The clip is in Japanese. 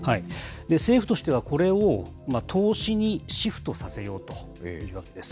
政府としては、これを投資にシフトさせようというわけです。